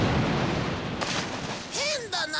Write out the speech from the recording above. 変だな。